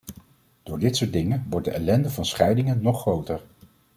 Door dit soort dingen wordt de ellende van scheidingen nog groter.